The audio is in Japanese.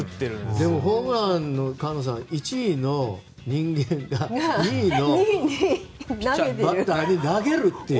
でもホームランの菅野さん、１位の人間が２位のバッターに投げるという。